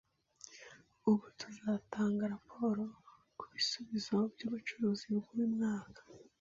Ubu tuzatanga raporo kubisubizo byubucuruzi bwuyu mwaka